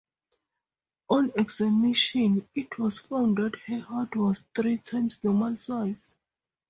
On examination it was found that her heart was three times normal size.